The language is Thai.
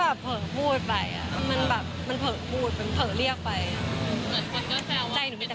มันเผลอพูด